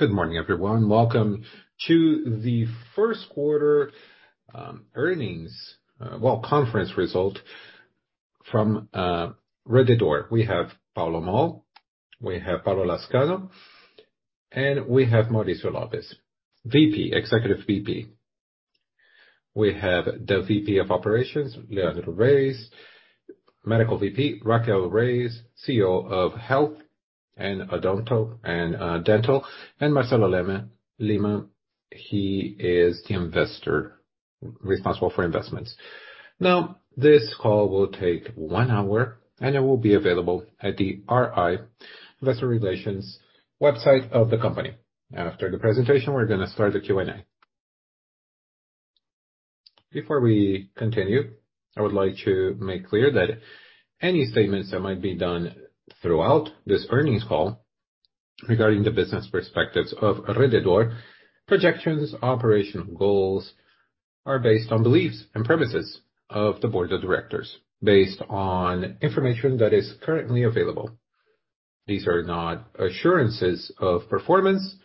Good morning, everyone. Welcome to the first quarter earnings conference result from Rede D'Or. We have Paulo Moll, we have Paulo Lazcano, and we have Mauricio Lopez, VP, Executive VP. We have the VP of Operations, Leandro Reyes. Medical VP, Raquel Reyes, CEO of Health and Odonto and Dental. Marcelo Lehman, he is the investor responsible for investments. Now, this call will take one hour, and it will be available at the RI Investor Relations website of the company. After the presentation, we're gonna start the Q&A. Before we continue, I would like to make clear that any statements that might be done throughout this earnings call regarding the business perspectives of Rede D'Or, projections, operational goals are based on beliefs and premises of the board of directors, based on information that is currently available. These are not assurances of performance.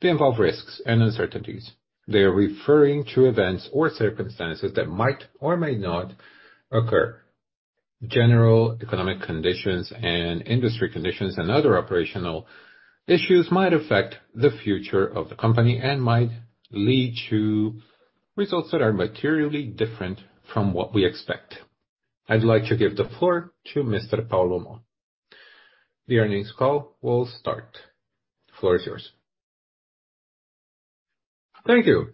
They involve risks and uncertainties. They are referring to events or circumstances that might or may not occur. General economic conditions and industry conditions and other operational issues might affect the future of the company and might lead to results that are materially different from what we expect. I'd like to give the floor to Mr. Paulo Moll. The earnings call will start. The floor is yours. Thank you.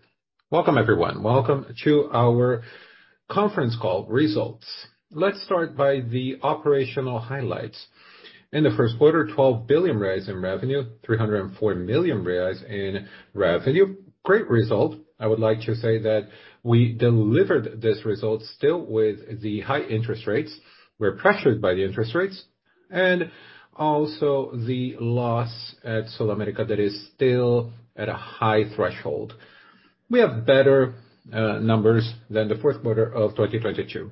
Welcome everyone. Welcome to our conference call results. Let's start by the operational highlights. In the first quarter, 12 billion reais in revenue, 304 million reais in revenue. Great result. I would like to say that we delivered this result still with the high interest rates. We're pressured by the interest rates and also the loss at SulAmérica that is still at a high threshold. We have better numbers than the fourth quarter of 2022.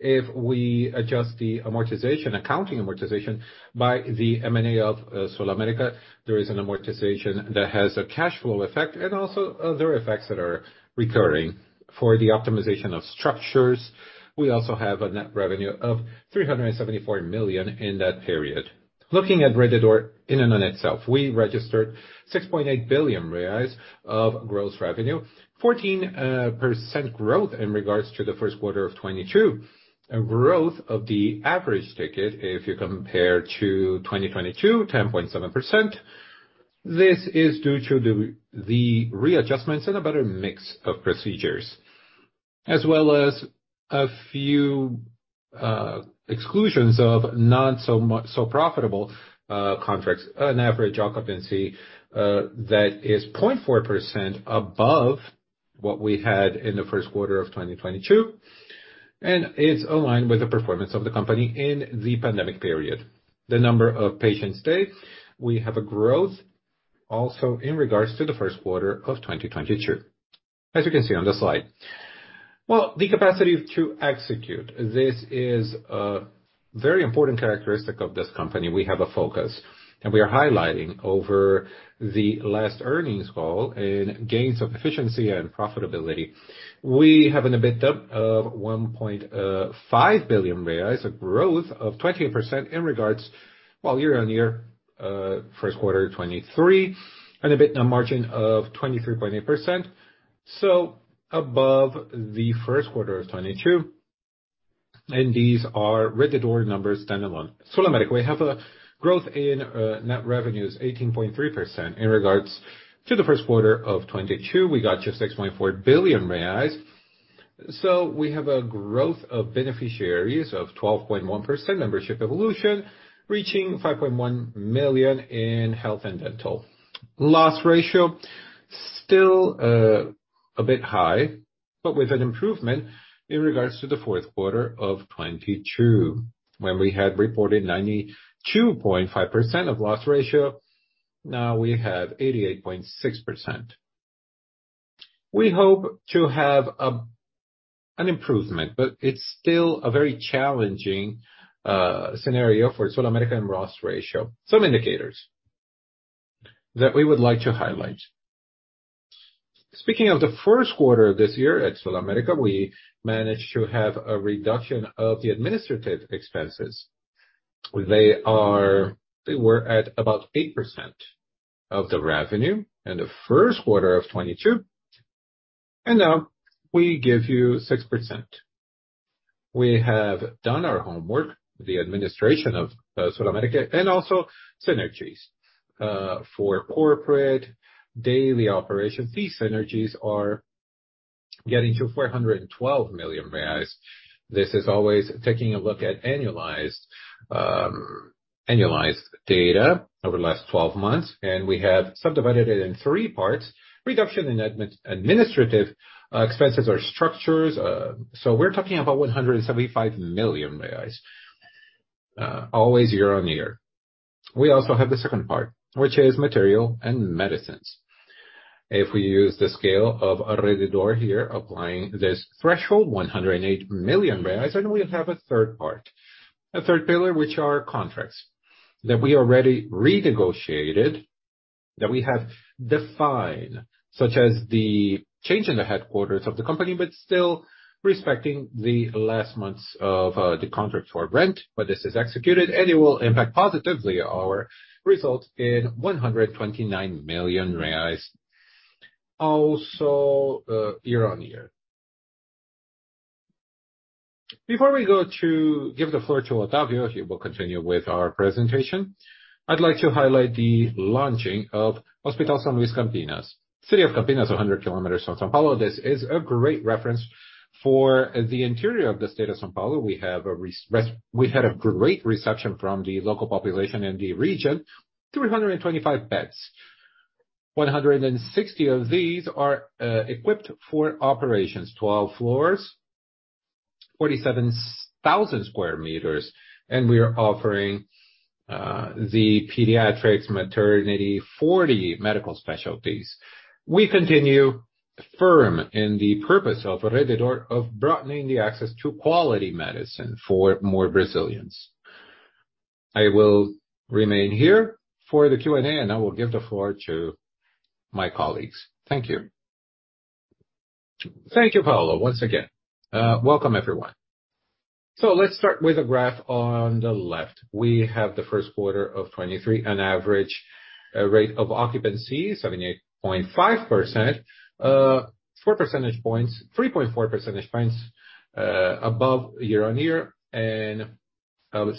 If we adjust the amortization, accounting amortization by the M&A of SulAmérica, there is an amortization that has a cash flow effect and also other effects that are recurring. For the optimization of structures, we also have a net revenue of 374 million in that period. Looking at Rede D'Or in and on itself, we registered 6.8 billion reais of gross revenue, 14% growth in regards to the first quarter of 2022. A growth of the average ticket, if you compare to 2022, 10.7%. This is due to the readjustments and a better mix of procedures. As well as a few exclusions of not so profitable contracts, an average occupancy that is 0.4% above what we had in the first quarter of 2022. It's aligned with the performance of the company in the pandemic period. The number of patient stays, we have a growth also in regards to the first quarter of 2022, as you can see on the slide. Well, the capacity to execute, this is a very important characteristic of this company. We have a focus. We are highlighting over the last earnings call in gains of efficiency and profitability. We have an EBITDA of 1.5 billion reais, a growth of 20% in regards while year-on-year first quarter 2023, an EBITDA margin of 23.8%, above the first quarter of 2022. These are Rede D'Or numbers stand alone. SulAmérica, we have a growth in net revenues 18.3% in regards to the first quarter of 2022. We got just 6.4 billion reais. We have a growth of beneficiaries of 12.1% membership evolution, reaching 5.1 million in health and dental. Loss ratio, still, a bit high, but with an improvement in regards to the fourth quarter of 2022, when we had reported 92.5% of loss ratio. Now we have 88.6%. We hope to have an improvement, but it's still a very challenging scenario for SulAmérica and loss ratio. Some indicators that we would like to highlight. Speaking of the first quarter this year at SulAmérica, we managed to have a reduction of the administrative expenses. They were at about 8% of the revenue in the first quarter of 2022, and now we give you 6%. We have done our homework, the administration of SulAmérica, and also synergies for corporate daily operations. These synergies are getting to 412 million reais. This is always taking a look at annualized data over the last 12 months, and we have subdivided it in three parts. Reduction in administrative expenses or structures, so we're talking about 175 million, always year-on-year. We also have the second part, which is material and medicines. If we use the scale of Rede D'Or here, applying this threshold, 108 million reais, we have a third part, a third pillar, which are contracts that we already renegotiated, that we have defined, such as the change in the headquarters of the company, but still respecting the last months of the contract for rent. This is executed, and it will impact positively our result in BRL 129 million also, year-on-year. Before we go to give the floor to Otávio, he will continue with our presentation. I'd like to highlight the launching of Hospital São Luiz Campinas. City of Campinas is 100 kilometers from São Paulo. We have a... We had a great reception from the local population in the region. 325 beds. 160 of these are equipped for operations. 12 floors, 47,000 square meters, we are offering the pediatrics maternity, 40 medical specialties. We continue firm in the purpose of Rede D'Or of broadening the access to quality medicine for more Brazilians. I will remain here for the Q&A, and I will give the floor to my colleagues. Thank you. Thank you, Paulo. Once again, welcome everyone. Let's start with a graph on the left. We have the first quarter of 2023, an average rate of occupancy, 78.5%, 3.4 percentage points above year-on-year and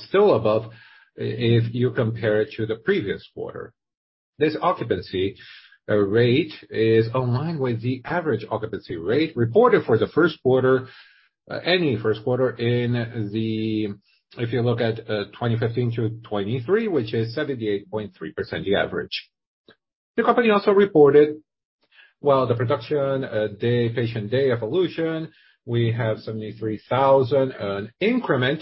still above if you compare it to the previous quarter. This occupancy rate is online with the average occupancy rate reported for the first quarter, if you look at 2015 to 2023, which is 78.3% the average. The company also reported, well, the production patient day evolution, we have 73,000 an increment.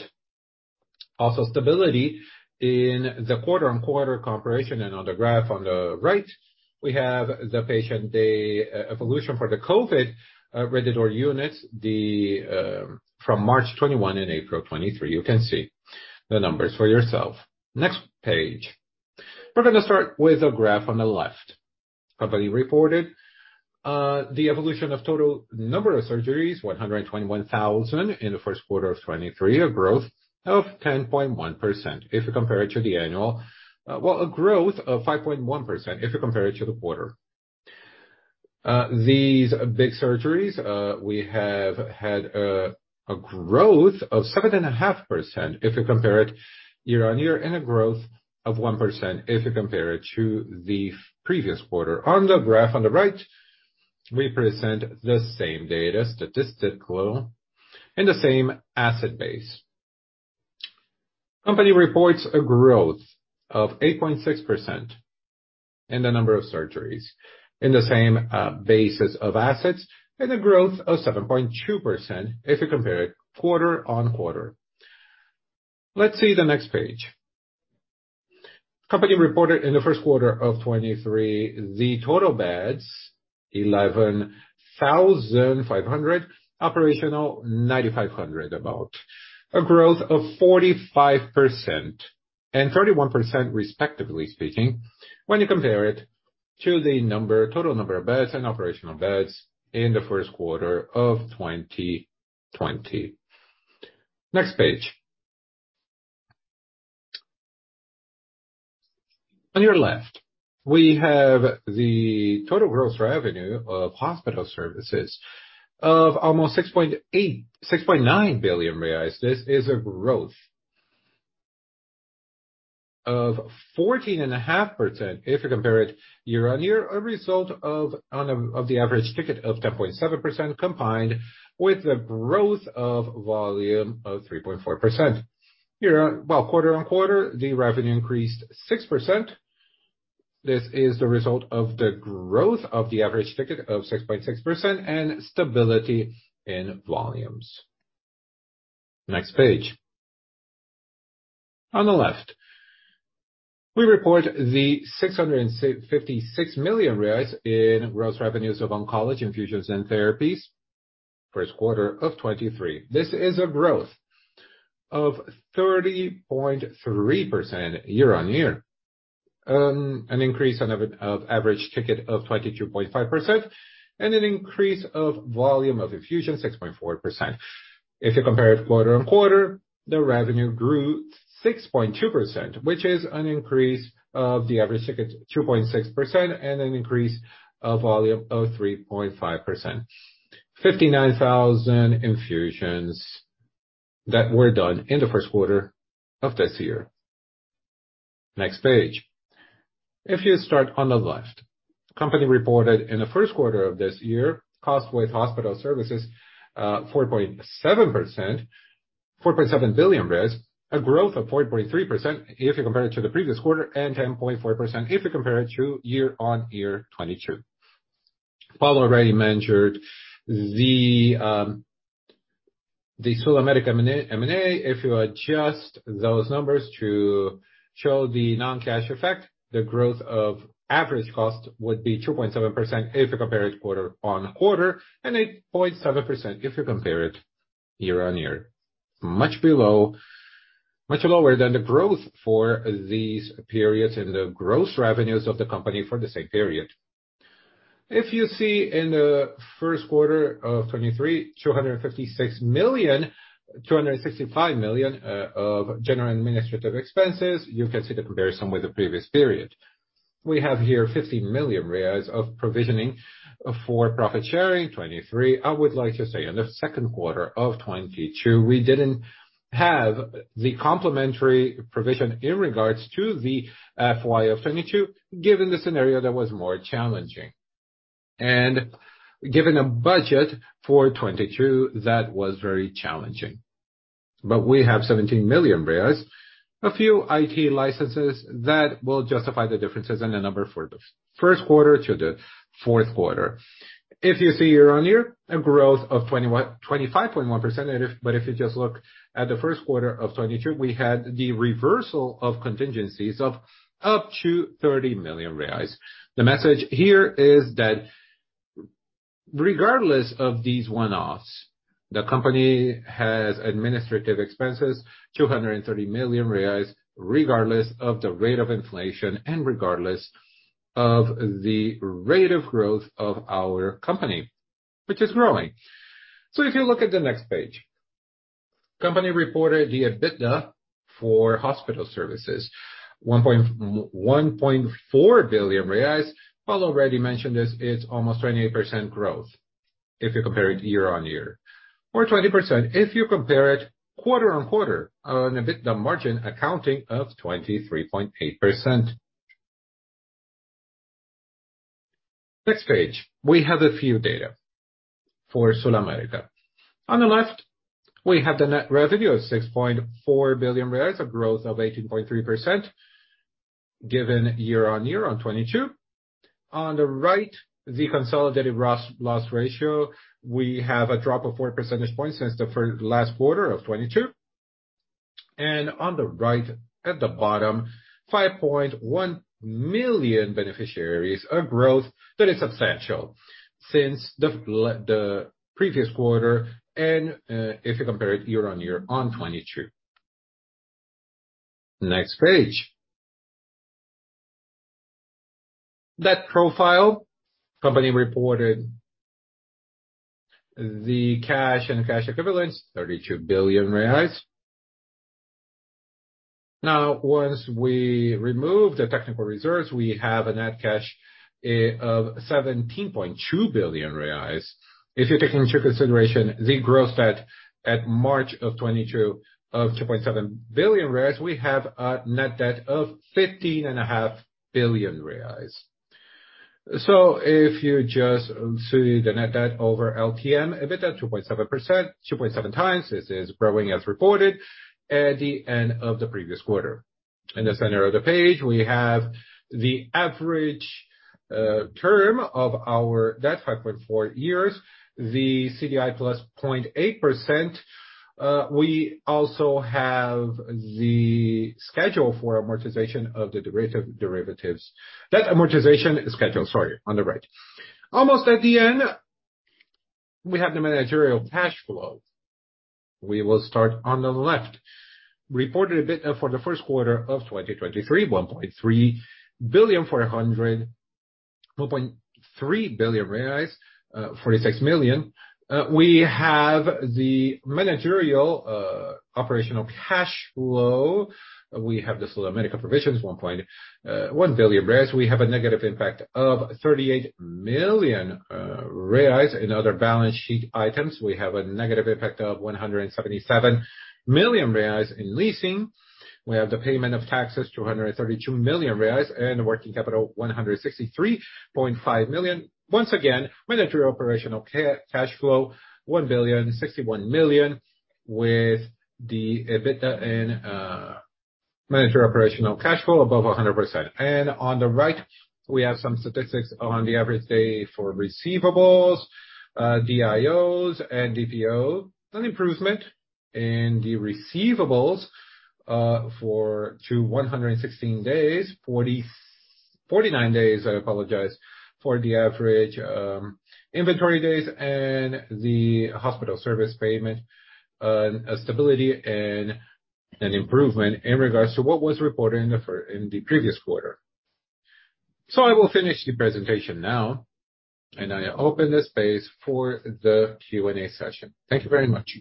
Stability in the quarter-over-quarter comparison. On the graph on the right, we have the patient day evolution for the COVID Rede D'Or units. From March 2021 and April 2023. You can see the numbers for yourself. Next page. We're gonna start with a graph on the left. Company reported the evolution of total number of surgeries, 121,000 in the first quarter of 2023. A growth of 10.1% if you compare it to the annual. Well, a growth of 5.1% if you compare it to the quarter. These big surgeries, we have had a growth of 7.5% if you compare it year-over-year, and a growth of 1% if you compare it to the previous quarter. On the graph on the right, we present the same data statistical in the same asset base. Company reports a growth of 8.6% in the number of surgeries in the same basis of assets, and a growth of 7.2% if you compare it quarter-over-quarter. Let's see the next page. Company reported in the first quarter of 2023, the total beds, 11,500 operational, 9,500 about. A growth of 45% and 31% respectively speaking, when you compare it to the total number of beds and operational beds in the first quarter of 2020. Next page. On your left, we have the total gross revenue of hospital services of almost 6.9 billion reais. This is a growth of 14.5% if you compare it year-on-year, a result of the average ticket of 10.7%, combined with the growth of volume of 3.4%. Quarter-on-quarter, the revenue increased 6%. This is the result of the growth of the average ticket of 6.6% and stability in volumes. Next page. On the left, we report the 656 million in gross revenues of oncology infusions and therapies first quarter of 2023. This is a growth of 30.3% year-on-year. an increase of average ticket of 22.5% and an increase of volume of infusion 6.4%. If you compare it quarter-on-quarter, the revenue grew 6.2%, which is an increase of the average ticket, 2.6% and an increase of volume of 3.5%. 59,000 infusions that were done in the first quarter of this year. Next page. If you start on the left, company reported in the first quarter of this year, cost with hospital services, 4.7 billion, a growth of 4.3% if you compare it to the previous quarter, and 10.4% if you compare it to year-on-year 2022. Paulo already mentioned The SulAmérica M&A, if you adjust those numbers to show the non-cash effect, the growth of average cost would be 2.7% if you compare it quarter-on-quarter, and 8.7% if you compare it year-on-year. Much lower than the growth for these periods and the gross revenues of the company for the same period. If you see in the first quarter of 2023, 256 million, 265 million of General Administrative Expenses, you can see the comparison with the previous period. We have here 50 million reais of provisioning for profit sharing, 2023. I would like to say in the second quarter of 2022, we didn't have the complementary provision in regards to the FY 2022, given the scenario that was more challenging. Given a budget for 2022, that was very challenging. We have 17 million, a few IT licenses that will justify the differences in the number for the first quarter to the fourth quarter. If you see year-over-year, a growth of 25.1%. If you just look at the first quarter of 2022, we had the reversal of contingencies of up to 30 million reais. The message here is that regardless of these one-offs, the company has administrative expenses, 230 million reais, regardless of the rate of inflation and regardless of the rate of growth of our company, which is growing. If you look at the next page. Company reported the EBITDA for hospital services, 1.4 billion reais. Paul already mentioned this, it's almost 28% growth if you compare it year-over-year, or 20% if you compare it quarter-on-quarter on EBITDA margin accounting of 23.8%. Next page, we have a few data for SulAmérica. On the left, we have the net revenue of 6.4 billion reais, a growth of 18.3% year-on-year on 2022. On the right, the consolidated loss ratio, we have a drop of 4 percentage points since the last quarter of 2022. On the right, at the bottom, 5.1 million beneficiaries, a growth that is substantial since the previous quarter, if you compare it year-on-year on 2022. Next page. Net profile. Company reported the cash and cash equivalents, 32 billion reais. Now, once we remove the technical reserves, we have a net cash of 17.2 billion reais. If you take into consideration the gross debt at March of 2022 of 2.7 billion reais, we have a net debt of 15.5 billion reais. If you just see the net debt over LTM EBITDA 2.7 times, this is growing as reported at the end of the previous quarter. In the center of the page, we have the average term of our debt, 5.4 years, the CDI + 0.8%. We also have the schedule for amortization of the derivatives. That amortization schedule, sorry, on the right. Almost at the end, we have the managerial cash flow. We will start on the left. Reported EBITDA for the first quarter of 2023, 1.3 billion, 46 million reais. We have the managerial operational cash flow. We have the SulAmérica provisions, 1.1 billion reais. We have a negative impact of 38 million reais. In other balance sheet items, we have a negative impact of 177 million reais. In leasing, we have the payment of taxes, 232 million reais, and working capital, 163.5 million. Once again, managerial operational cash flow, 1,061 million with the EBITDA and managerial operational cash flow above 100%. On the right, we have some statistics on the average day for receivables, DIOs and DPO. An improvement in the receivables for 116 days, 49 days, I apologize, for the average inventory days and the hospital service payment. A stability and an improvement in regards to what was reported in the previous quarter. I will finish the presentation now, and I open the space for the Q&A session. Thank you very much.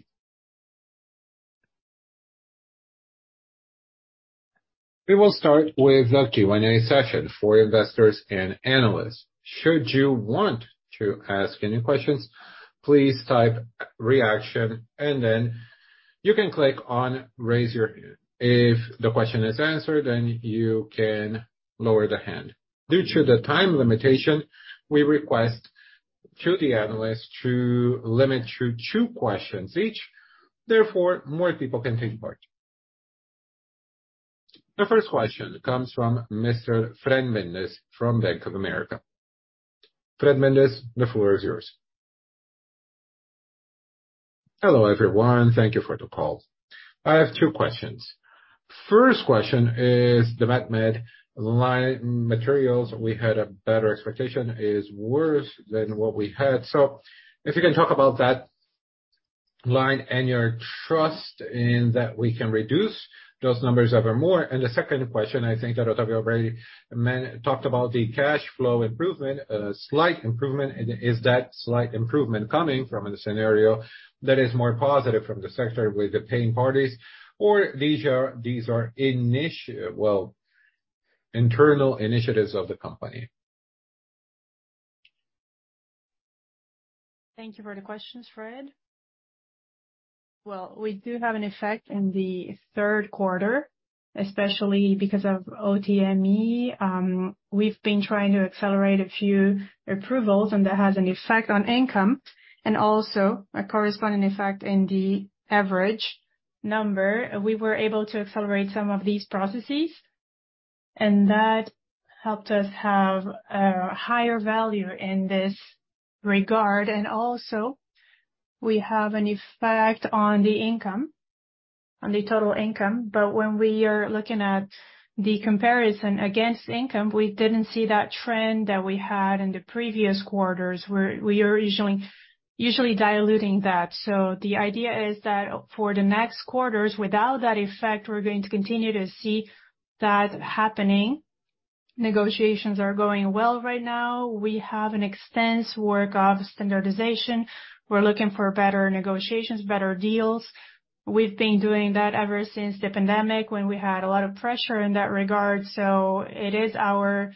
We will start with the Q&A session for investors and analysts. Should you want to ask any questions, please type reaction and then you can click on raise your hand. If the question is answered, then you can lower the hand. Due to the time limitation, we request to the analyst to limit to two questions each, therefore more people can take part. The first question comes from Mr. Fred Mendes from Bank of America. Fred Mendes, the floor is yours. Hello, everyone. Thank you for the call. I have two questions. First question is the Med-Mat line materials. We had a better expectation is worse than what we had. If you can talk about that line and your trust in that we can reduce those numbers evermore. The second question, I think that Otávio already talked about the cash flow improvement, slight improvement. Is that slight improvement coming from the scenario that is more positive from the sector with the paying parties? These are Well, internal initiatives of the company. Thank you for the questions, Fred. Well, we do have an effect in the third quarter, especially because of OPME. We've been trying to accelerate a few approvals. That has an effect on income and also a corresponding effect in the average number. We were able to accelerate some of these processes, and that helped us have a higher value in this regard. Also we have an effect on the income, on the total income. When we are looking at the comparison against income, we didn't see that trend that we had in the previous quarters, where we are usually diluting that. The idea is that for the next quarters, without that effect, we're going to continue to see that happening. Negotiations are going well right now. We have an extensive work of standardization. We're looking for better negotiations, better deals. We've been doing that ever since the pandemic when we had a lot of pressure in that regard. It is our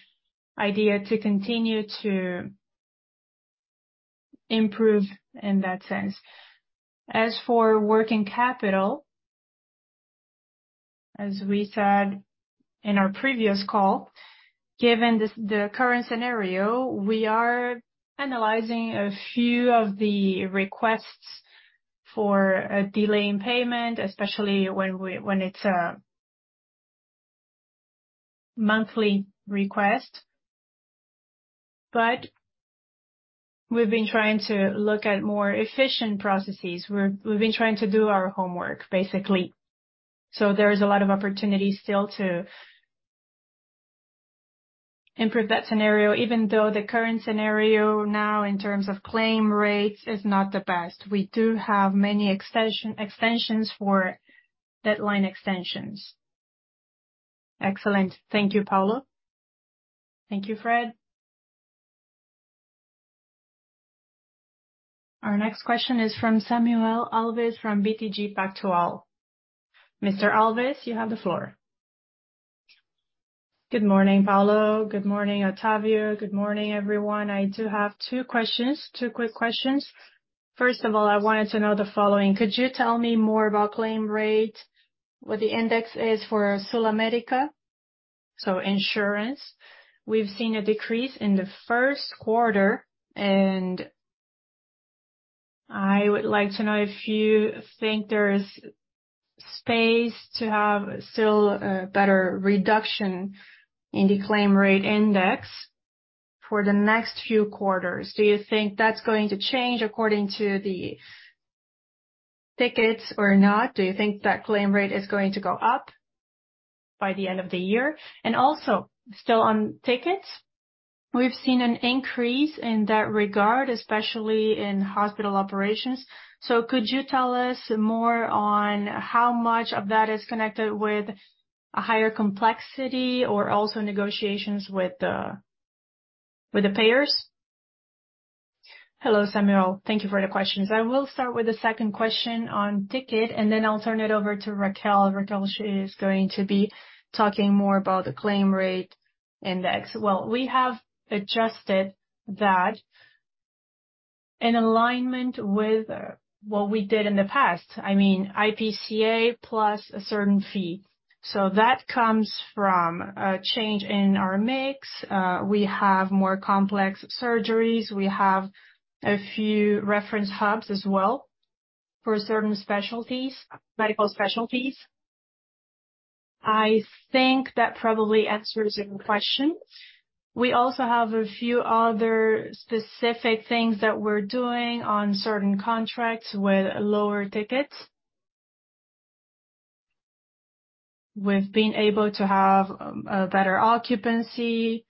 idea to continue to improve in that sense. As for working capital, as we said in our previous call, given the current scenario, we are analyzing a few of the requests for a delay in payment, especially when it's a monthly request. We've been trying to look at more efficient processes. We've been trying to do our homework, basically. There is a lot of opportunities still to improve that scenario. Even though the current scenario now in terms of claim rates is not the best. We do have many extensions for deadline extensions. Excellent. Thank you, Paulo. Thank you, Fred. Our next question is from Samuel Alves from BTG Pactual. Mr. Alves, you have the floor. Good morning, Paulo. Good morning, Otávio. Good morning, everyone. I do have two questions, two quick questions. First of all, I wanted to know the following. Could you tell me more about claim rate, what the index is for SulAmérica, so insurance? We've seen a decrease in the first quarter, I would like to know if you think there's space to have still a better reduction in the claim rate index for the next few quarters. Do you think that's going to change according to the tickets or not? Do you think that claim rate is going to go up by the end of the year? Also still on tickets, we've seen an increase in that regard, especially in hospital operations. Could you tell us more on how much of that is connected with a higher complexity or also negotiations with the payers? Hello, Samuel. Thank you for the questions. I will start with the second question on ticket, and then I'll turn it over to Raquel. Raquel, she is going to be talking more about the claim rate index. Well, we have adjusted that in alignment with what we did in the past. I mean IPCA plus a certain fee. That comes from a change in our mix. We have more complex surgeries. We have a few reference hubs as well for certain specialties, medical specialties. I think that probably answers your question. We also have a few other specific things that we're doing on certain contracts with lower tickets. We've been able to have a better occupancy,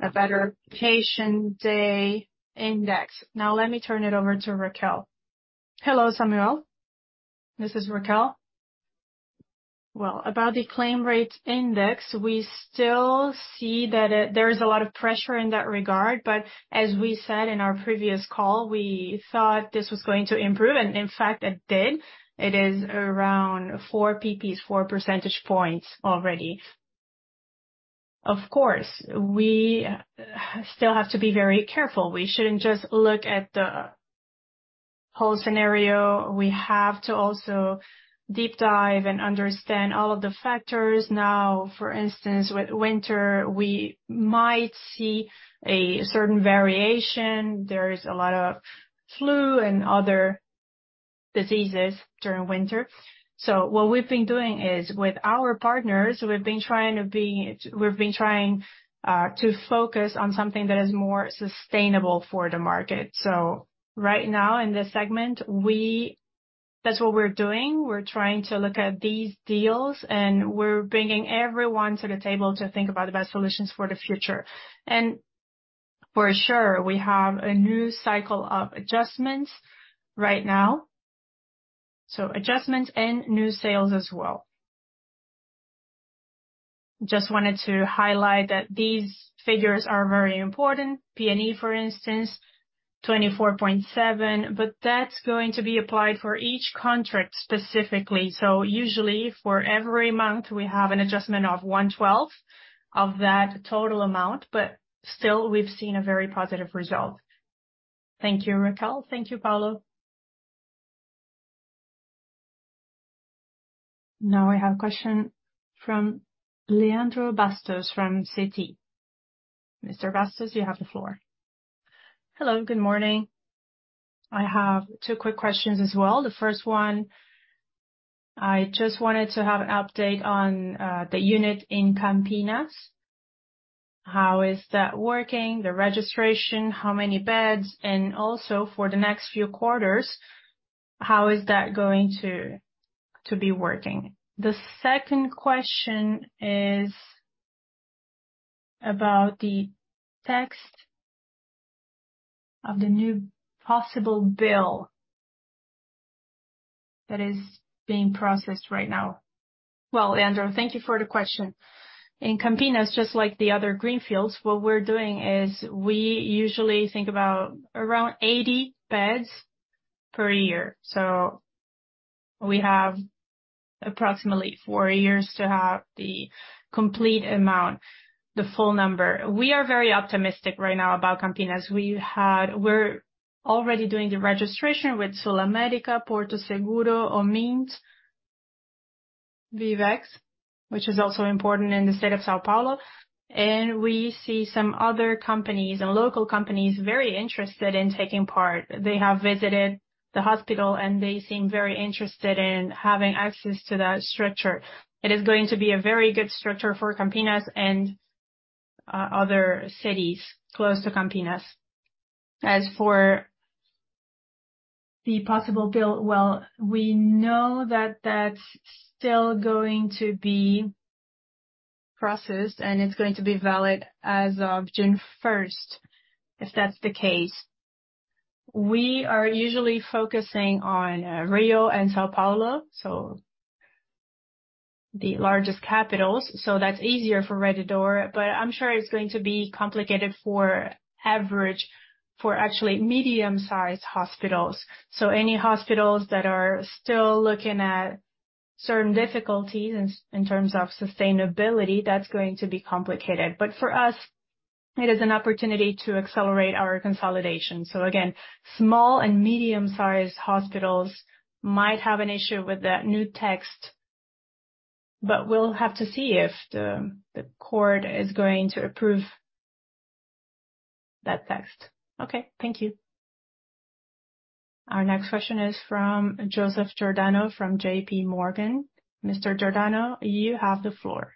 a better patient day index. Now let me turn it over to Raquel. Hello, Samuel. This is Raquel. Well, about the claim rate index, we still see that there is a lot of pressure in that regard. As we said in our previous call, we thought this was going to improve, and in fact it did. It is around 4 percentage points, 4 percentage points already. Of course, we still have to be very careful. We shouldn't just look at the whole scenario. We have to also deep dive and understand all of the factors. For instance, with winter, we might see a certain variation. There's a lot of flu and other diseases during winter. What we've been doing is, with our partners, we've been trying to focus on something that is more sustainable for the market. Right now in this segment, That's what we're doing. We're trying to look at these deals, we're bringing everyone to the table to think about the best solutions for the future. For sure, we have a new cycle of adjustments right now. Adjustments and new sales as well. Just wanted to highlight that these figures are very important. PP&E, for instance, 24.7, but that's going to be applied for each contract specifically. Usually for every month, we have an adjustment of one-twelfth of that total amount, but still we've seen a very positive result. Thank you, Raquel. Thank you, Paulo. Now I have a question from Leandro Bastos from Citi. Mr. Bastos, you have the floor. Hello, good morning. I have two quick questions as well. The first one, I just wanted to have an update on the unit in Campinas. How is that working, the registration, how many beds, and also for the next few quarters, how is that going to be working? The second question is about the text of the new possible bill that is being processed right now. Leandro, thank you for the question. In Campinas, just like the other greenfields, what we're doing is we usually think about around 80 beds per year. We have approximately four years to have the complete amount, the full number. We are very optimistic right now about Campinas. We're already doing the registration with SulAmérica, Porto Seguro, Omint, Vivex, which is also important in the state of São Paulo. We see some other companies and local companies very interested in taking part. They have visited the hospital, they seem very interested in having access to that structure. It is going to be a very good structure for Campinas and other cities close to Campinas. The possible bill, well, we know that that's still going to be processed, and it's going to be valid as of June first, if that's the case. We are usually focusing on Rio and São Paulo, the largest capitals. That's easier for Rede D'Or, but I'm sure it's going to be complicated for actually medium-sized hospitals. Any hospitals that are still looking at certain difficulties in terms of sustainability, that's going to be complicated. For us, it is an opportunity to accelerate our consolidation. Again, small and medium-sized hospitals might have an issue with that new text, but we'll have to see if the court is going to approve that text. Okay. Thank you. Our next question is from Joseph Giordano from JPMorgan. Mr. Giordano, you have the floor.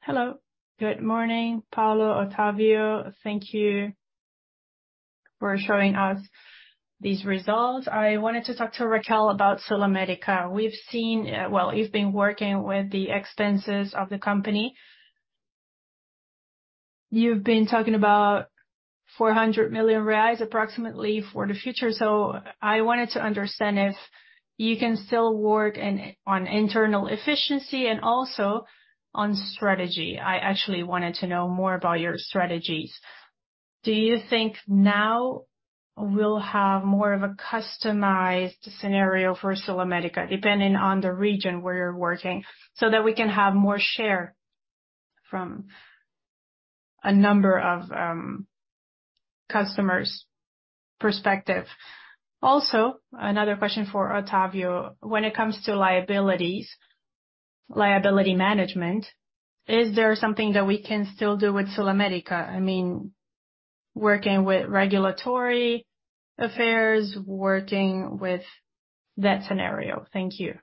Hello. Good morning, Paulo, Otávio. Thank you for showing us these results. I wanted to talk to Raquel about SulAmérica. Well, you've been working with the expenses of the company. You've been talking about 400 million reais approximately for the future. I wanted to understand if you can still work on internal efficiency and also on strategy. I actually wanted to know more about your strategies. Do you think now we'll have more of a customized scenario for SulAmérica, depending on the region where you're working, so that we can have more share from a number of customers' perspective? Another question for Otávio. When it comes to liabilities, liability management, is there something that we can still do with SulAmérica? I mean, working with regulatory affairs, working with that scenario. Thank you.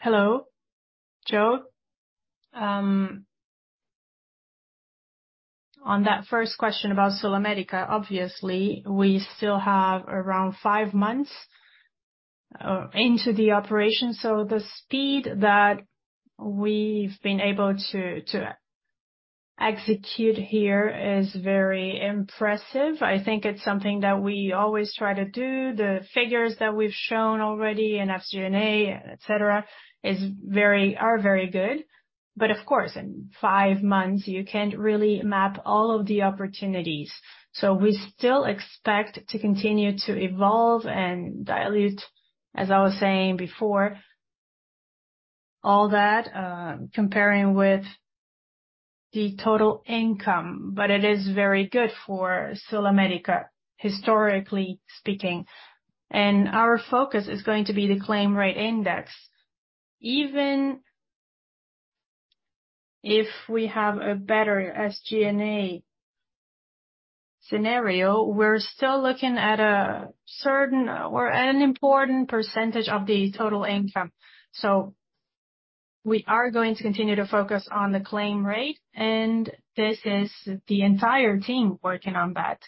Hello, Joe. On that first question about SulAmérica, obviously, we still have around five months into the operation. The speed that we've been able to execute here is very impressive. I think it's something that we always try to do. The figures that we've shown already in FCPA, et cetera, are very good. Of course, in five months, you can't really map all of the opportunities. We still expect to continue to evolve and dilute, as I was saying before, all that, comparing with the total income. It is very good for SulAmérica, historically speaking. Our focus is going to be the claim rate index. Even if we have a better SG&A scenario, we're still looking at a certain or an important percentage of the total income. We are going to continue to focus on the claim rate, and this is the entire team working on that.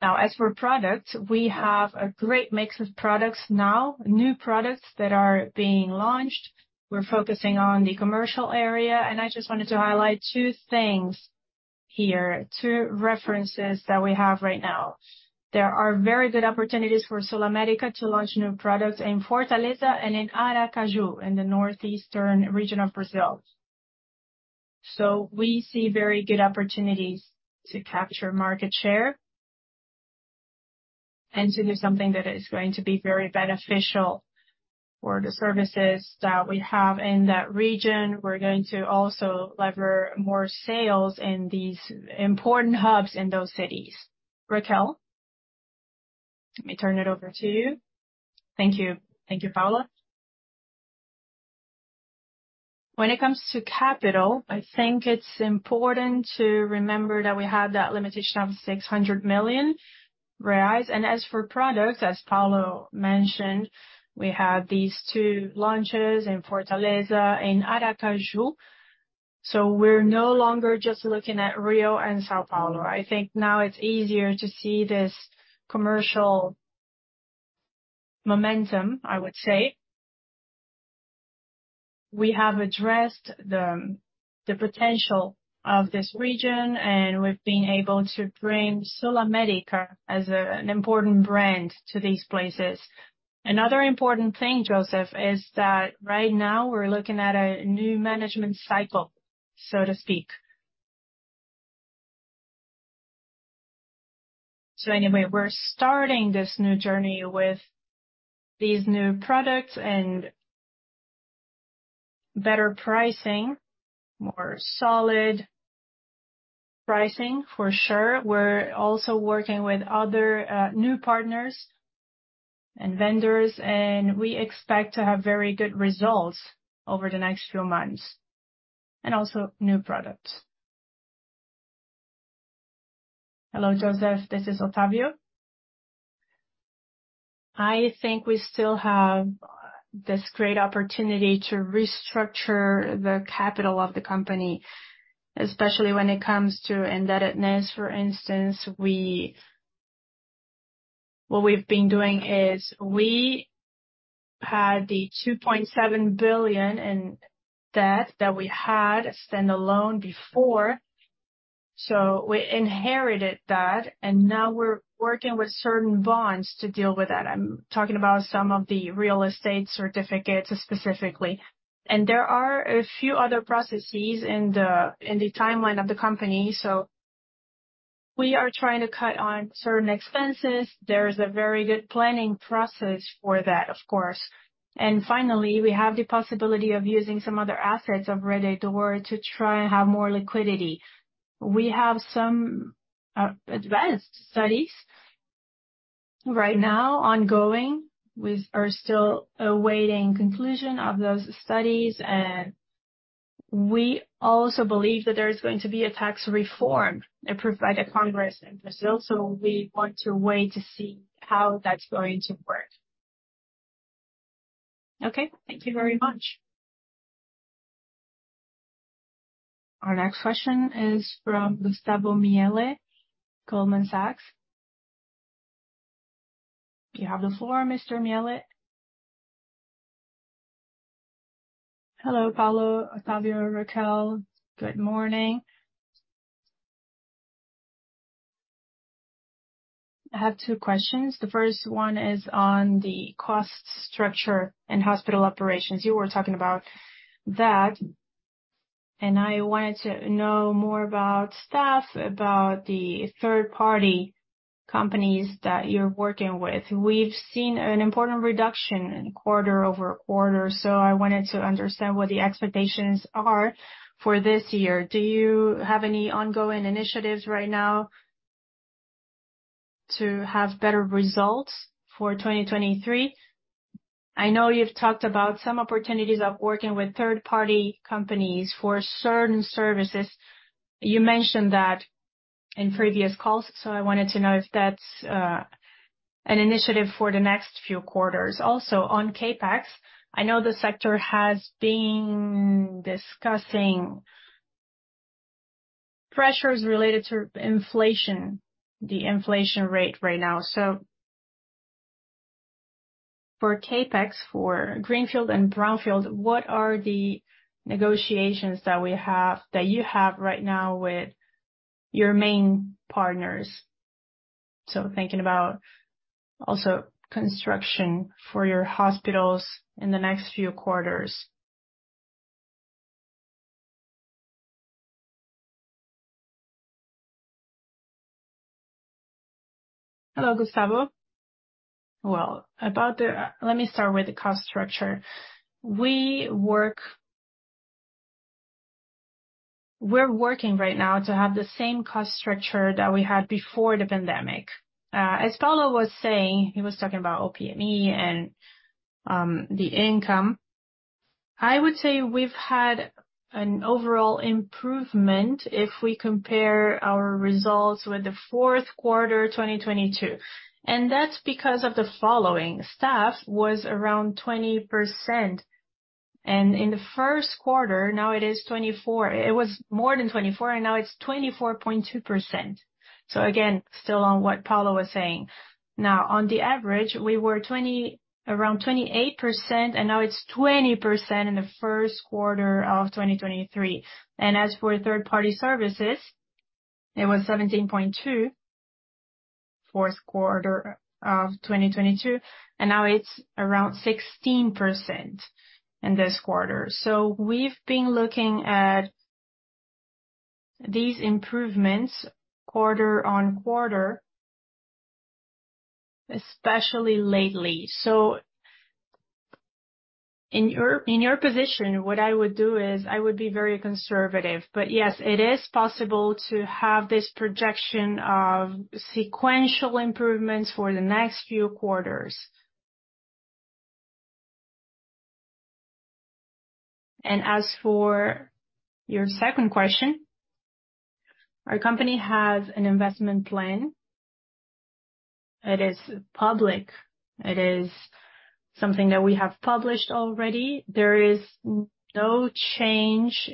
As for product, we have a great mix of products now. New products that are being launched. We're focusing on the commercial area, and I just wanted to highlight two things here, two references that we have right now. There are very good opportunities for SulAmérica to launch new products in Fortaleza and in Aracaju, in the northeastern region of Brazil. We see very good opportunities to capture market share and to do something that is going to be very beneficial for the services that we have in that region. We're going to also lever more sales in these important hubs in those cities. Raquel, let me turn it over to you. Thank you. Thank you, Raquel. When it comes to capital, I think it's important to remember that we have that limitation of 600 million reais. As for products, as Paulo mentioned, we have these two launches in Fortaleza and Aracaju. We're no longer just looking at Rio and São Paulo. I think now it's easier to see this commercial momentum, I would say. We have addressed the potential of this region, and we've been able to bring SulAmérica as an important brand to these places. Another important thing, Joseph, is that right now we're looking at a new management cycle, so to speak. Anyway, we're starting this new journey with these new products and better pricing, more solid pricing for sure. We're also working with other new partners and vendors, and we expect to have very good results over the next few months, and also new products. Hello, Joseph, this is Otávio. I think we still have this great opportunity to restructure the capital of the company, especially when it comes to indebtedness, for instance. What we've been doing is we had the 2.7 billion in debt that we had standalone before, so we inherited that, and now we're working with certain bonds to deal with that. I'm talking about some of the real estate certificates specifically. There are a few other processes in the, in the timeline of the company, so we are trying to cut on certain expenses. There is a very good planning process for that, of course. Finally, we have the possibility of using some other assets of Rede D'Or to try and have more liquidity. We have some advanced studies right now ongoing. We are still awaiting conclusion of those studies. We also believe that there is going to be a tax reform approved by the Congress in Brazil. We want to wait to see how that's going to work. Okay. Thank you very much. Our next question is from Gustavo Miele, Goldman Sachs. You have the floor, Mr. Miele. Hello, Paulo, Otávio, Raquel. Good morning. I have two questions. The first one is on the cost structure and hospital operations. You were talking about that, and I wanted to know more about staff, about the third-party companies that you're working with. We've seen an important reduction in quarter-over-quarter, so I wanted to understand what the expectations are for this year. Do you have any ongoing initiatives right now to have better results for 2023? I know you've talked about some opportunities of working with third-party companies for certain services. You mentioned that in previous calls, I wanted to know if that's an initiative for the next few quarters. Also, on CapEx, I know the sector has been discussing pressures related to inflation, the inflation rate right now. For CapEx, for greenfield and brownfield, what are the negotiations that you have right now with your main partners? Thinking about also construction for your hospitals in the next few quarters. Hello, Gustavo. Well, let me start with the cost structure. We're working right now to have the same cost structure that we had before the pandemic. As Paulo was saying, he was talking about OPME and the income. I would say we've had an overall improvement if we compare our results with the fourth quarter, 2022. That's because of the following: staff was around 20%. In the first quarter, now it is 24. It was more than 24. Now it's 24.2%. Again, still on what Paulo was saying. Now on the average, we were around 28%. Now it's 20% in the first quarter of 2023. As for third party services, it was 17.2%, fourth quarter of 2022. Now it's around 16% in this quarter. We've been looking at these improvements quarter-on-quarter, especially lately. In your position, what I would do is I would be very conservative. Yes, it is possible to have this projection of sequential improvements for the next few quarters. As for your second question, our company has an investment plan. It is public. It is something that we have published already. There is no change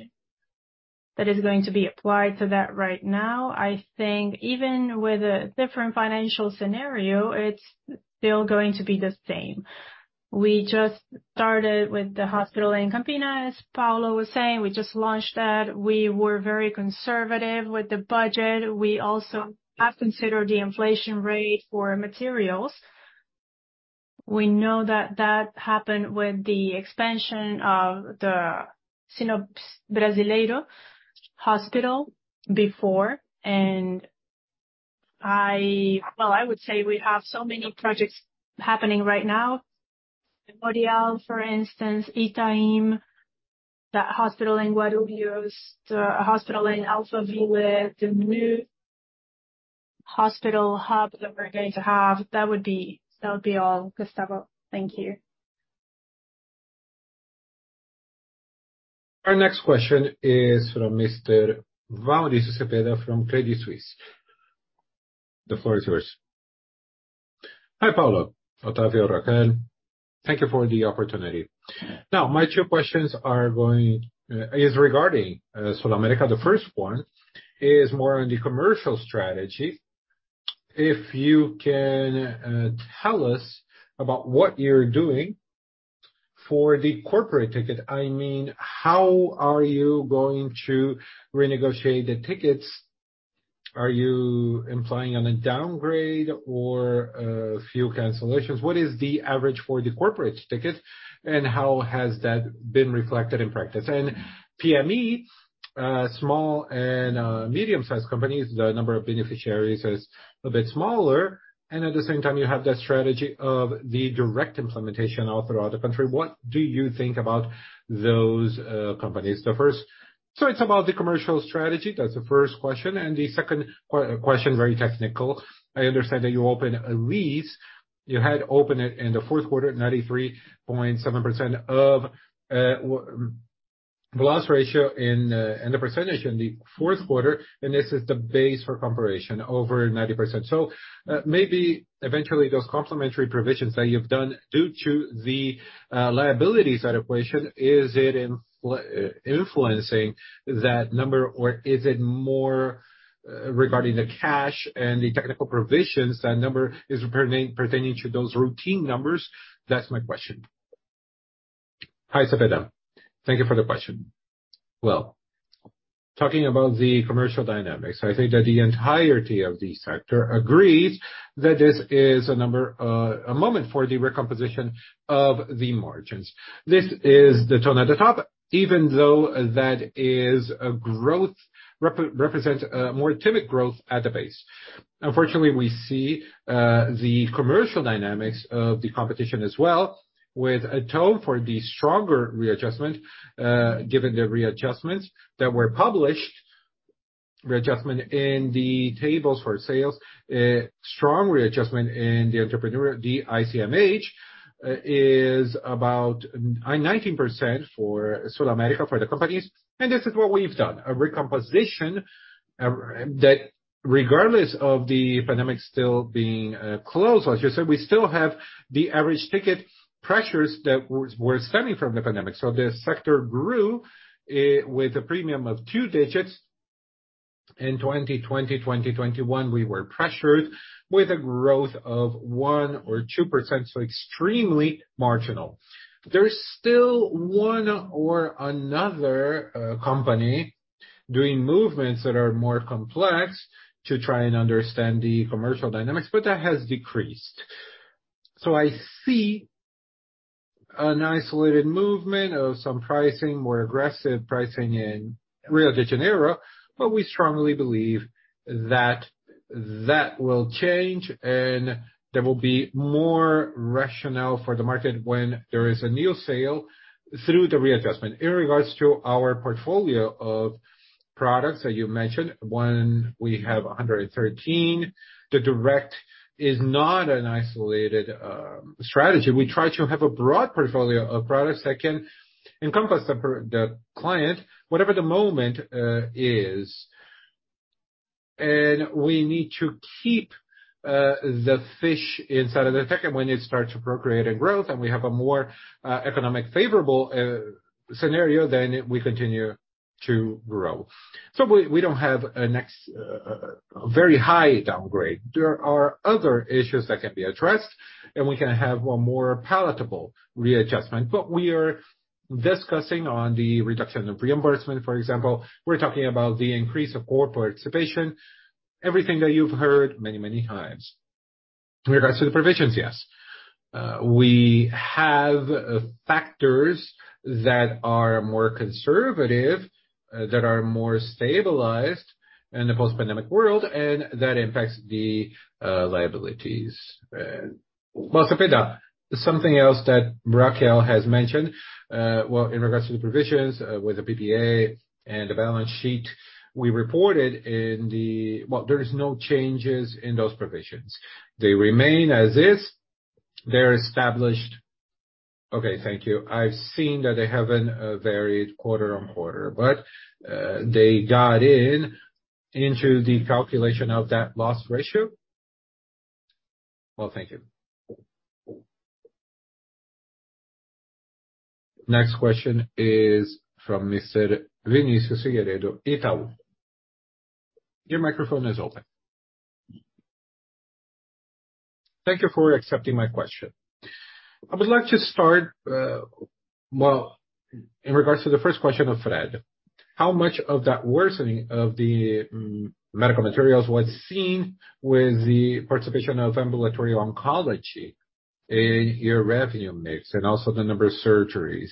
that is going to be applied to that right now. I think even with a different financial scenario, it's still going to be the same. We just started with the hospital in Campinas. Paulo was saying we just launched that. We were very conservative with the budget. We also have considered the inflation rate for materials. We know that that happened with the expansion of the Sinops Brasileiro Hospital before. I would say we have so many projects happening right now. Memorial, for instance, Itaim, that hospital in Guarulhos, the hospital in Alphaville, the new hospital hub that we're going to have. That would be all, Gustavo. Thank you. Our next question is from Mr. Mauricio Cepeda from Credit Suisse. The floor is yours. Hi, Paulo, Otávio, Raquel. Thank you for the opportunity. My two questions is regarding SulAmérica. The 1st one is more on the commercial strategy. If you can tell us about what you're doing for the corporate ticket. I mean, how are you going to renegotiate the tickets? Are you implying on a downgrade or a few cancellations? What is the average for the corporate ticket, and how has that been reflected in practice? PME, small and medium-sized companies, the number of beneficiaries is a bit smaller, and at the same time, you have that strategy of the direct implementation all throughout the country. What do you think about those companies? It's about the commercial strategy, that's the 1st question. The second question, very technical. I understand that you opened a lease. You had opened it in the fourth quarter, 93.7% of loss ratio in the percentage in the fourth quarter, this is the base for comparison, over 90%. Maybe eventually those complimentary provisions that you've done due to the liability side equation, is it influencing that number, or is it more regarding the cash and the technical provisions, that number is pertaining to those routine numbers? That's my question. Hi, Cepeda. Thank you for the question. Well, talking about the commercial dynamics, I think that the entirety of the sector agrees that this is a number, a moment for the recomposition of the margins. This is the tone at the top, even though that is a growth represent, more timid growth at the base. Unfortunately, we see the commercial dynamics of the competition as well, with a tone for the stronger readjustment, given the readjustments that were published, readjustment in the tables for sales, strong readjustment in the entrepreneur, the ICMS is about 19% for SulAmérica, for the companies. This is what we've done. A recomposition that regardless of the pandemic still being close, like you said, we still have the average ticket pressures that we're stemming from the pandemic. The sector grew with a premium of two digits. In 2020, 2021, we were pressured with a growth of 1% or 2%, so extremely marginal. There's still one or another company doing movements that are more complex to try and understand the commercial dynamics, but that has decreased. I see an isolated movement of some pricing, more aggressive pricing in Rio de Janeiro. We strongly believe That will change, and there will be more rationale for the market when there is a new sale through the readjustment. In regards to our portfolio of products that you mentioned, when we have 113, the direct is not an isolated strategy. We try to have a broad portfolio of products that can encompass the client, whatever the moment is. We need to keep the fish inside of the tank. When it starts to procreate and growth and we have a more economic favorable scenario, we continue to grow. We don't have a very high downgrade. There are other issues that can be addressed. We can have a more palatable readjustment. We are discussing on the reduction of reimbursement, for example, we're talking about the increase of corporate participation. Everything that you've heard many, many times. In regards to the provisions, yes. We have factors that are more conservative, that are more stabilized in the post-pandemic world, and that impacts the liabilities. Well, Cepeda, something else that Raquel has mentioned, well, in regards to the provisions with the PPA and the balance sheet we reported. Well, there is no changes in those provisions. They remain as is. They're established. Okay, thank you. I've seen that they haven't varied quarter-on-quarter, but they got into the calculation of that loss ratio. Well, thank you. Next question is from Mr. Vinicius Figueiredo, Itaú. Your microphone is open. Thank you for accepting my question. I would like to start, well, in regards to the first question of Fred, how much of that worsening of the medical materials was seen with the participation of ambulatory oncology in your revenue mix and also the number of surgeries?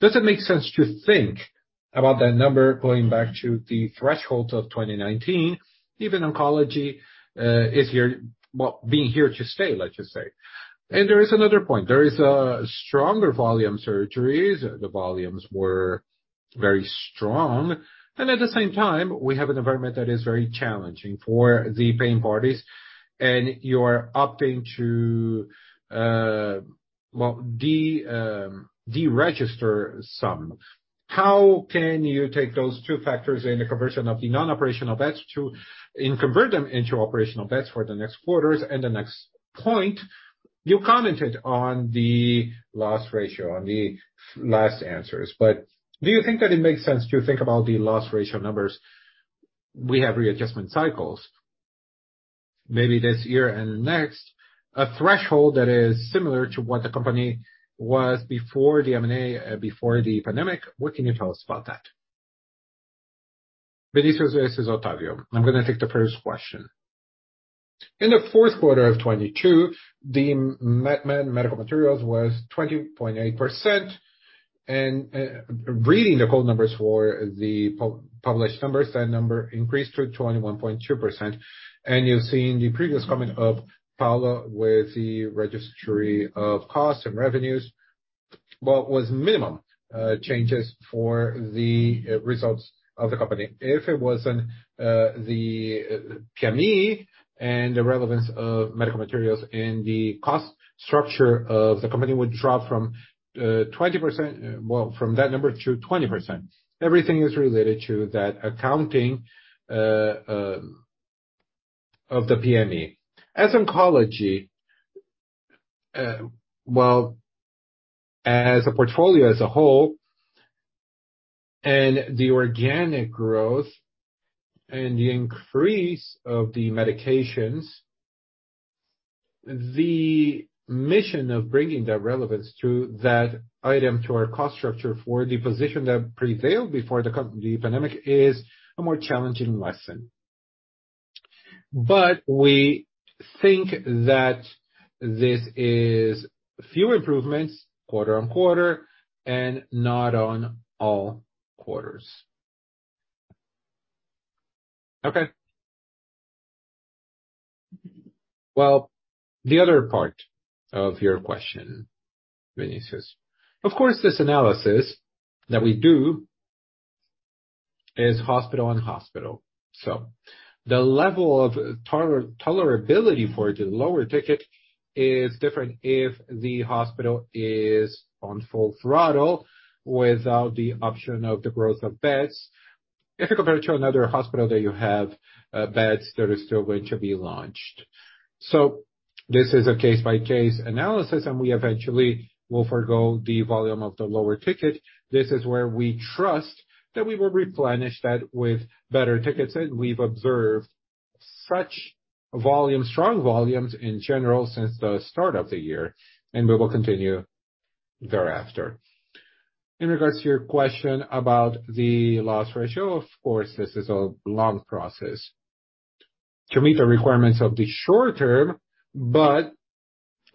Does it make sense to think about that number going back to the thresholds of 2019, even oncology is here to stay, let's just say. There is another point. There is a stronger volume surgeries. The volumes were very strong. At the same time, we have an environment that is very challenging for the paying parties. You're opting to, well, deregister some. How can you take those two factors in the conversion of the non-operational beds to convert them into operational beds for the next quarters and the next point? You commented on the loss ratio on the last answers. Do you think that it makes sense to think about the loss ratio numbers? We have readjustment cycles, maybe this year and next. A threshold that is similar to what the company was before the M&A, before the pandemic. What can you tell us about that? Vinicius, this is Otávio. I'm gonna take the first question. In the fourth quarter of 2022, the medical materials was 20.8%. Reading the cold numbers for the published numbers, that number increased to 21.2%. You've seen the previous comment of Paulo with the registry of costs and revenues. Well, it was minimum changes for the results of the company. If it wasn't, the PME and the relevance of medical materials in the cost structure of the company would drop from that number to 20%. Everything is related to that accounting of the PME. As oncology, well, as a portfolio as a whole, and the organic growth and the increase of the medications, the mission of bringing that relevance to that item to our cost structure for the position that prevailed before the pandemic is a more challenging lesson. We think that this is few improvements quarter-on-quarter and not on all quarters. Okay. Well, the other part of your question, Vinicius. Of course, this analysis that we do is hospital on hospital. The level of tolerability for the lower ticket is different if the hospital is on full throttle without the option of the growth of beds, if you compare it to another hospital that you have beds that is still going to be launched. This is a case-by-case analysis, and we eventually will forgo the volume of the lower ticket. This is where we trust that we will replenish that with better tickets, and we've observed such volume, strong volumes in general since the start of the year, and we will continue thereafter. In regards to your question about the loss ratio, of course, this is a long process. To meet the requirements of the short term, but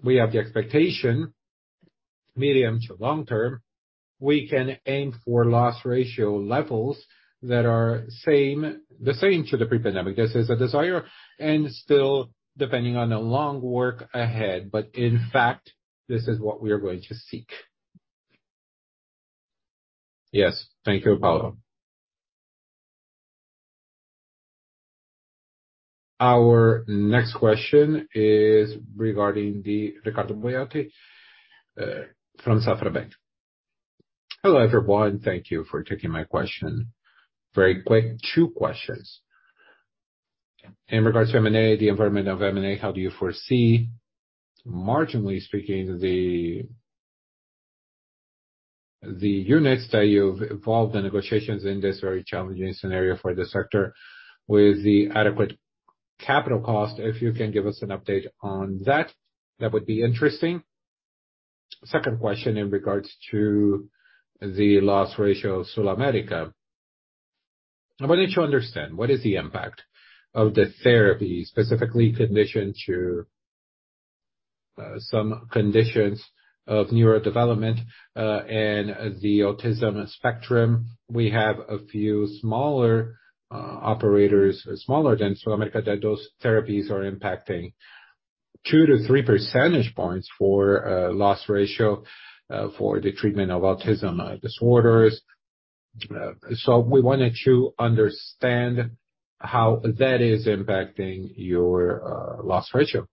we have the expectation. Medium to long term, we can aim for loss ratio levels that are the same to the pre-pandemic. This is a desire and still depending on the long work ahead, but in fact, this is what we are going to seek. Yes. Thank you, Paulo. Our next question is regarding Ricardo Boiati from Banco Safra. Hello, everyone, thank you for taking my question. Very quick, two questions. In regards to M&A, the environment of M&A, how do you foresee, marginally speaking, the units that you've involved in negotiations in this very challenging scenario for the sector with the adequate capital cost? If you can give us an update on that would be interesting. Second question in regards to the loss ratio of SulAmérica. I wanted to understand what is the impact of the therapy, specifically condition to some conditions of neurodevelopment and the autism spectrum? We have a few smaller operators, smaller than SulAmérica, that those therapies are impacting two to three percentage points for loss ratio for the treatment of autism disorders. We wanted to understand how that is impacting your loss ratio.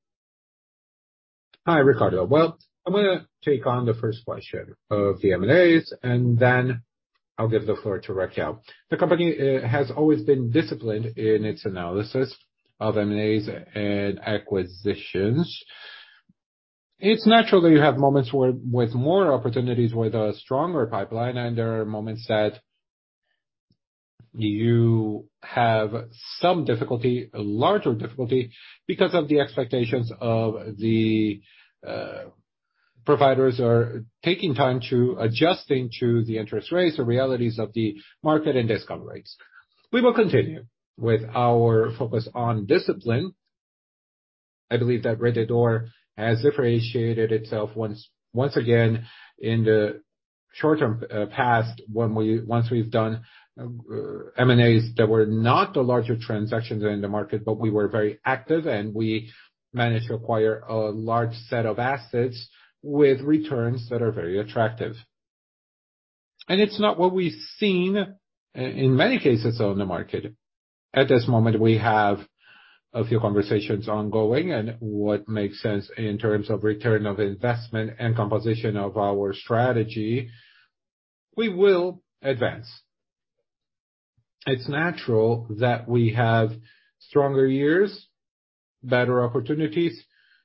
Hi, Ricardo. Well, I'm gonna take on the first question of the M&As, and then I'll give the floor to Raquel. The company has always been disciplined in its analysis of M&As and acquisitions. It's natural that you have moments with more opportunities, with a stronger pipeline, and there are moments that you have some difficulty, a larger difficulty because of the expectations of the providers are taking time to adjusting to the interest rates or realities of the market and discount rates. We will continue with our focus on discipline. I believe that Rede D'Or has differentiated itself once again in the short-term past once we've done M&As that were not the larger transactions in the market, but we were very active, and we managed to acquire a large set of assets with returns that are very attractive. It's not what we've seen in many cases on the market. At this moment, we have a few conversations ongoing and what makes sense in terms of return of investment and composition of our strategy, we will advance. It's natural that we have stronger years, better opportunities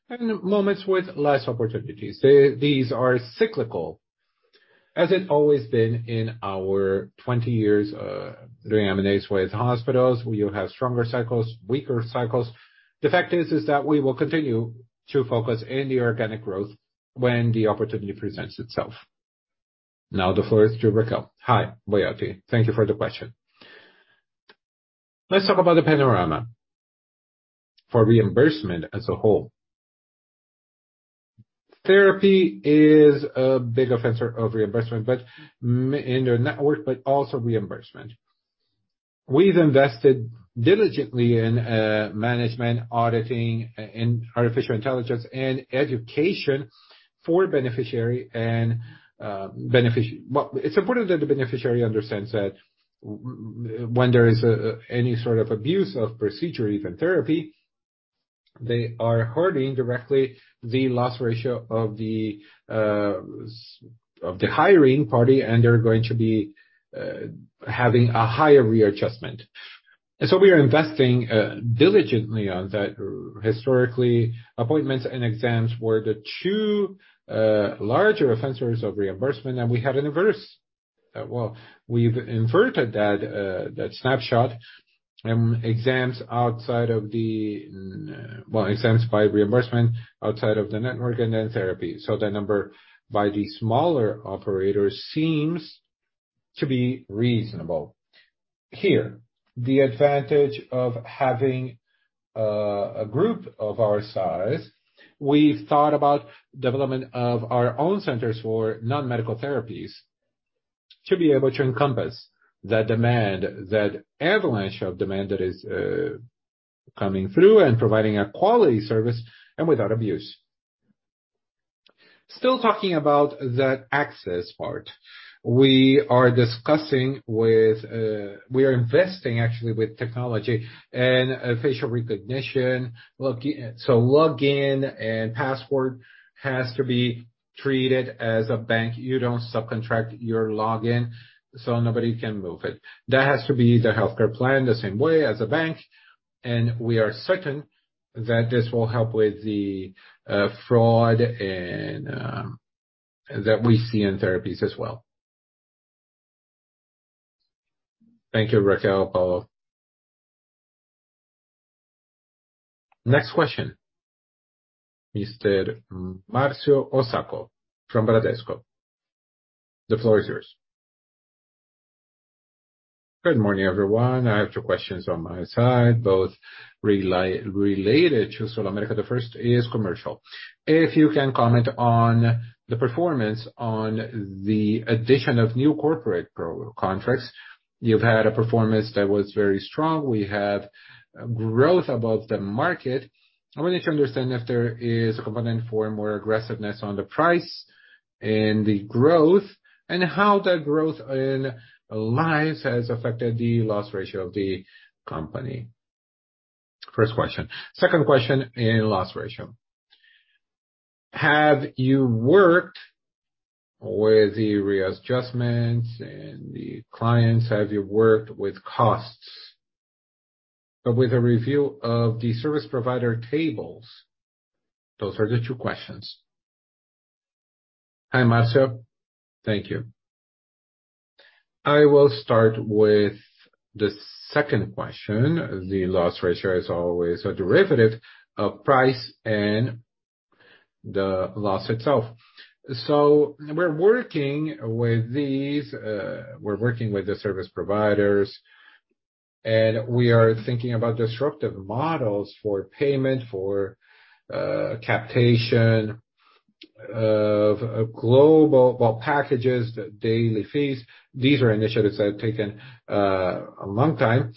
and moments with less opportunities. These are cyclical, as it always been in our 20 years doing M&As with hospitals. We will have stronger cycles, weaker cycles. The fact is that we will continue to focus in the organic growth when the opportunity presents itself. Now the floor is to Raquel. Hi, Boiati. Thank you for the question. Let's talk about the panorama for reimbursement as a whole. Therapy is a big offender of reimbursement, but in their network, but also reimbursement. We've invested diligently in management, auditing and artificial intelligence and education for beneficiary. Well, it's important that the beneficiary understands that when there is any sort of abuse of procedure, even therapy, they are hurting directly the loss ratio of the of the hiring party, and they're going to be having a higher readjustment. We are investing diligently on that. Historically, appointments and exams were the two larger offenders of reimbursement, and we have inverse. Well, we've inverted that that snapshot, exams by reimbursement outside of the network and then therapy. The number by the smaller operators seems to be reasonable. Here, the advantage of having a group of our size, we've thought about development of our own centers for non-medical therapies to be able to encompass the demand, that avalanche of demand that is coming through and providing a quality service and without abuse. Still talking about that access part, we are discussing with. We are investing actually with technology and facial recognition. Login and password has to be treated as a bank. You don't subcontract your login, so nobody can move it. That has to be the healthcare plan, the same way as a bank, and we are certain that this will help with the fraud and that we see in therapies as well. Thank you, Raquel, Paulo. Next question. Mr. Marcio Osako from Bradesco. The floor is yours. Good morning, everyone. I have two questions on my side, both related to SulAmérica. The first is commercial. If you can comment on the performance on the addition of new corporate contracts. You've had a performance that was very strong. We have growth above the market. I wanted to understand if there is a component for more aggressiveness on the price and the growth, and how that growth in lines has affected the loss ratio of the company. First question. Second question in loss ratio. Have you worked with the readjustments and the clients? Have you worked with costs but with a review of the service provider tables? Those are the two questions. Hi, Marcio. Thank you. I will start with the second question. The loss ratio is always a derivative of price and the loss itself. We're working with these, we're working with the service providers, and we are thinking about disruptive models for payment, for capitation, of global packages, the daily fees. These are initiatives that have taken a long time,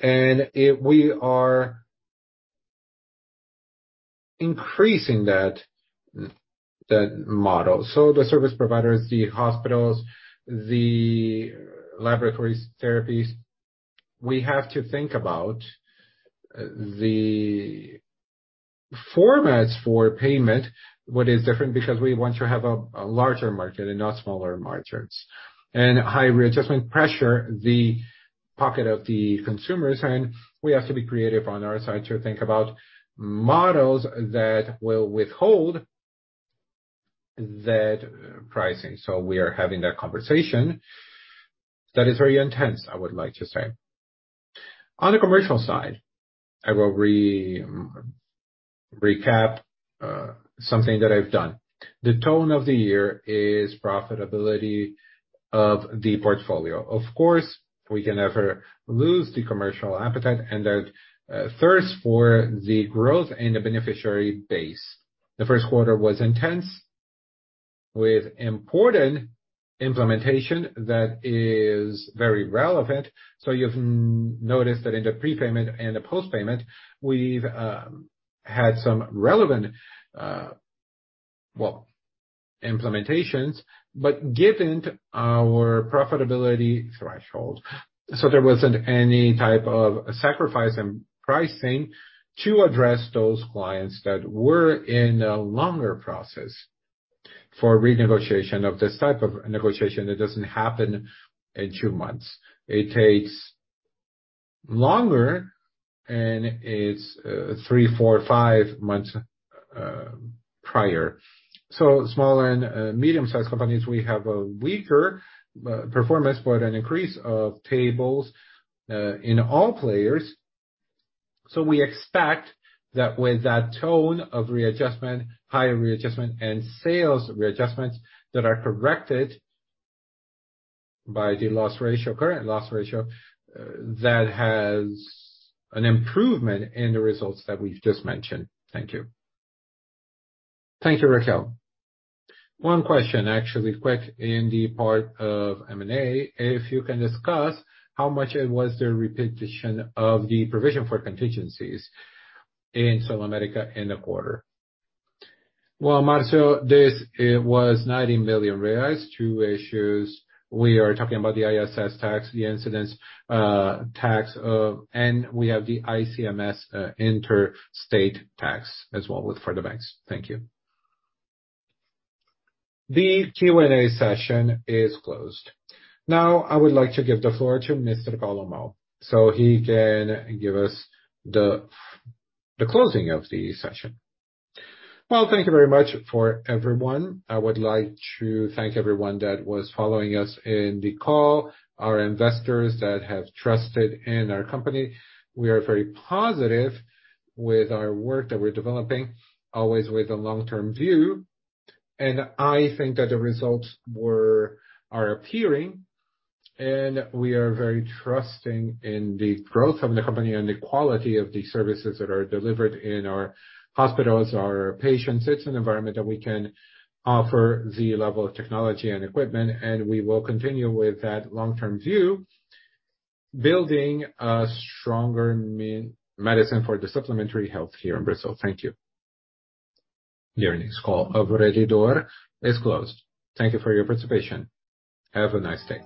and we are increasing that model. The service providers, the hospitals, the laboratories, therapies, we have to think about the formats for payment, what is different, because we want to have a larger market and not smaller markets. High readjustment pressure, the pocket of the consumers, and we have to be creative on our side to think about models that will withhold that pricing. We are having that conversation. That is very intense, I would like to say. On the commercial side, I will recap something that I've done. The tone of the year is profitability of the portfolio. Of course, we can never lose the commercial appetite and our thirst for the growth in the beneficiary base. The first quarter was intense with important implementation that is very relevant. You've noticed that in the prepayment and the post-payment, we've had some relevant, well, implementations. Given our profitability threshold, there wasn't any type of sacrifice in pricing to address those clients that were in a longer process for renegotiation of this type of negotiation that doesn't happen in two months. It takes longer, it's three, four, five months prior. Small and medium-sized companies, we have a weaker performance, but an increase of tables in all players. We expect that with that tone of readjustment, higher readjustment, and sales readjustments that are corrected by the loss ratio, current loss ratio, that has an improvement in the results that we've just mentioned. Thank you. Thank you, Raquel. One question, actually, quick in the part of M&A. If you can discuss how much was the repetition of the provision for contingencies in SulAmérica in the quarter. Well, Marcio, this, it was 90 million reais. Two issues. We are talking about the ISS tax, the incidence, tax, and we have the ICMS interstate tax as well for the banks. Thank you. The Q&A session is closed. Now, I would like to give the floor to Mr. Paulo Moll, so he can give us the closing of the session. Well, thank you very much for everyone. I would like to thank everyone that was following us in the call, our investors that have trusted in our company. We are very positive with our work that we're developing, always with a long-term view. I think that the results are appearing. We are very trusting in the growth of the company and the quality of the services that are delivered in our hospitals, our patients. It's an environment that we can offer the level of technology and equipment. We will continue with that long-term view, building a stronger medicine for the supplementary health here in Brazil. Thank you. The earnings call of Rede D'Or is closed. Thank you for your participation. Have a nice day.